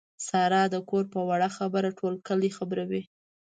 ساره د کور په وړه خبره ټول کلی خبروي.